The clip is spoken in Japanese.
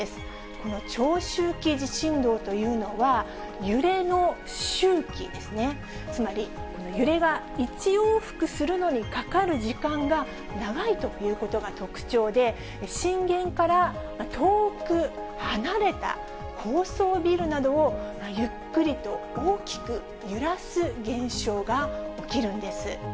この長周期地震動というのは、揺れの周期ですね、つまり揺れが１往復するのにかかる時間が長いということが特徴で、震源から遠く離れた高層ビルなどを、ゆっくりと大きく揺らす現象が起きるんです。